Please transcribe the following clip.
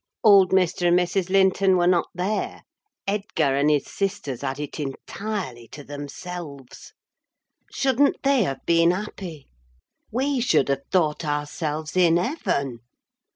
Old Mr. and Mrs. Linton were not there; Edgar and his sister had it entirely to themselves. Shouldn't they have been happy? We should have thought ourselves in heaven!